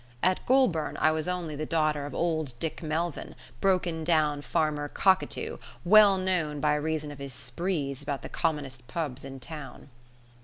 At Goulburn I was only the daughter of old Dick Melvyn, broken down farmer cockatoo, well known by reason of his sprees about the commonest pubs in town.